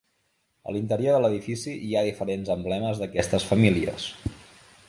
A l'interior de l'edifici hi ha diferents emblemes d'aquestes famílies.